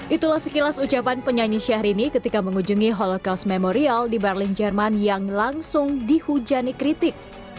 itulah sekilas ucapan penyanyi syahrini ketika mengunjungi holocaust memorial di berlin jerman yang langsung dihujani kritik